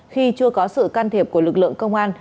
khi chưa có sự can thiệp của lực lượng công an